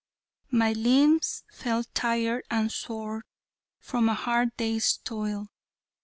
My limbs felt tired and sore from a hard day's toil.